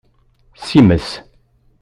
Simes.